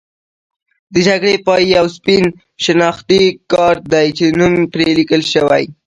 د جګړې پای یو سپین شناختي کارت دی چې نوم پرې لیکل شوی.